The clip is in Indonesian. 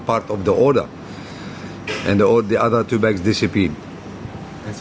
kadang kadang pesanan tidak mencapai pembawa juga